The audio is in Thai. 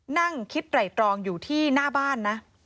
นั่งคิดไตรตรองอยู่ที่หน้าบ้านนะ